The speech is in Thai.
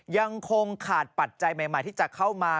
ยังคงขาดปัจจัยใหม่ที่จะเข้ามา